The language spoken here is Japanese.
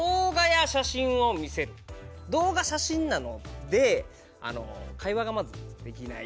動画写真なので会話がまずできない。